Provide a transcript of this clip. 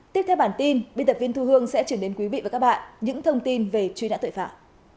tiếp theo bản tin biên tập viên thu hương sẽ chuyển đến quý vị và các bạn những thông tin về truy nã tội phạm